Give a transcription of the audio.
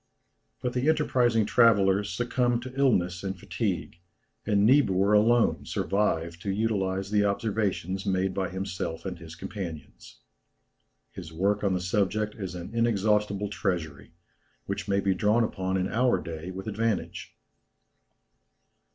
But the enterprising travellers succumbed to illness and fatigue, and Niebuhr alone survived to utilize the observations made by himself and his companions. His work on the subject is an inexhaustible treasury, which may be drawn upon in our own day with advantage.